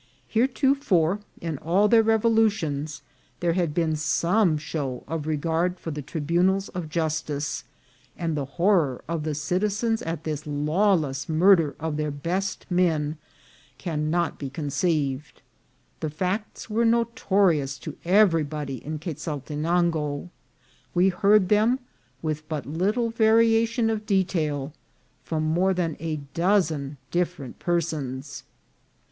Heretofore, in all their revolutions, there THE CHURCH. 209 had been some show of regard for the tribunals of jus tice, and the horror of the citizens at this lawless mur der of their best men cannot be conceived. The facts were notorious to everybody in Quezaltenango. We heard them, with but little variation of detail, from more than a dozen different persons.